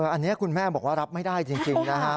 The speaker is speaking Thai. อันนี้คุณแม่บอกว่ารับไม่ได้จริงนะครับ